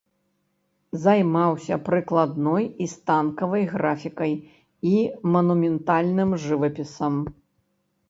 Займаўся прыкладной і станковай графікай, і манументальным жывапісам.